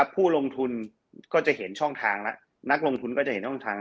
ผู้ลงทุนก็จะเห็นช่องทางแล้วนักลงทุนก็จะเห็นช่องทาง